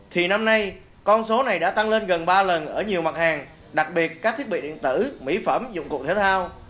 thì năm nay con số này đã tăng lên gần ba lần ở nhiều mặt hàng đặc biệt các thiết bị điện tử mỹ phẩm dụng cụ thể thao